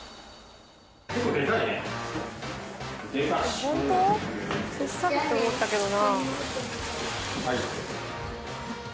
小さっ！って思ったけどな。